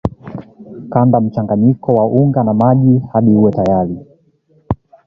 kanda mchanganyiko wa unga na maji hadi uwe tayari